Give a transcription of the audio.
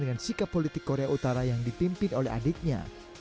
dengan sikap politik korea utara yang dipimpin oleh adiknya